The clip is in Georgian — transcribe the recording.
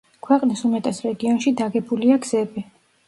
ქვეყნის უმეტეს რეგიონში დაგებულია გზები.